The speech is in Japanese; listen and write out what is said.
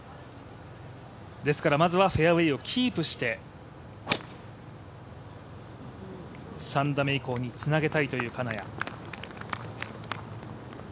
まずはフェアウエーをキープして３打目以降につなげたいという金谷。